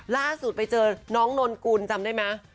ล่าสุดไปเจอน้องนนกุลจำได้ไหม